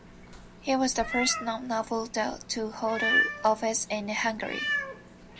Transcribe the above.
He was the first non-noble to hold the office in Hungary.